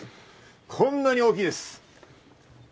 こんなに大きいです！